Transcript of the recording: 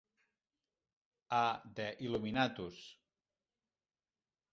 A The Illuminatus!